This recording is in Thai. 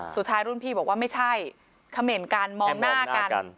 สุดท้ายรุ่นพี่บอกว่าไม่ใช่เขม่นกันมองหน้ากัน